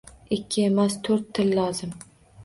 Ikki emas, toʻrt til lozim